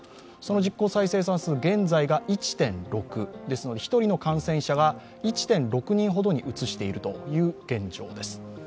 その実効再生産数現在が１．６ですので１人の感染者が１．６人ほどにうつしているという現状です。